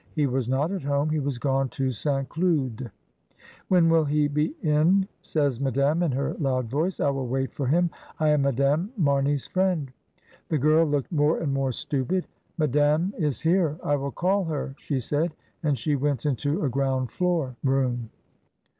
He was not at home; he was gone to St. Cloud." "When will he be in?" says Madame in her loud voice. "I will wait for him. I am Madame Mamey's friend." The girl looked more and more stupid. "Ma dame is here, I will call her," she said, and she went into a ground floor room.